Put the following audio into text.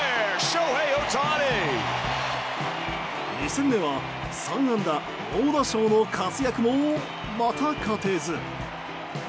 ２戦目は３安打猛打賞の活躍もまた勝てず。